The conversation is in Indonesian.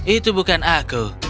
itu bukan aku